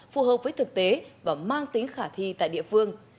phù hợp với thực tế và mang tính khả thi tại địa phương